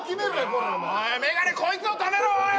コラッお前眼鏡こいつを止めろおい！